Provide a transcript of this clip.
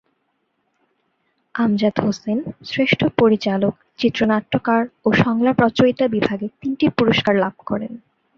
আমজাদ হোসেন শ্রেষ্ঠ পরিচালক, চিত্রনাট্যকার ও সংলাপ রচয়িতা বিভাগে তিনটি পুরস্কার লাভ করেন।